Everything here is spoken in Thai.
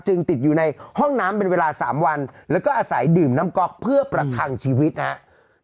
ติดอยู่ในห้องน้ำเป็นเวลา๓วันแล้วก็อาศัยดื่มน้ำก๊อกเพื่อประทังชีวิตนะครับ